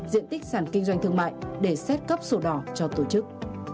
diện tích sản kinh doanh thương mại để xét cấp sổ đỏ cho tổ chức